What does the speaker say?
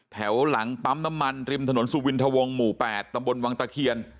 แถวหลังปั๊มน้ำมันริมถนนสุวินทวงหมู่๘ตำบลวังตะเคียน